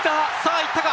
行ったか？